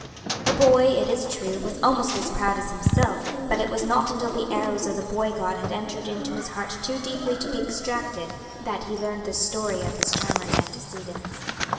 "The boy, it is true, was almost as proud himself, but it was not until the arrows of the boy god had entered into his heart too deeply to be extracted, that he learned the story of his charmer's antecedents.